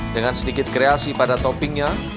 dengan sedikit kreasi pada toppingnya